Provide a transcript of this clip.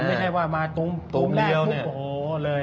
ไม่ให้มาตุ้มแลกโป้โหวเลย